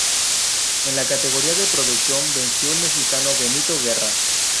En la categoría de producción venció el mexicano Benito Guerra.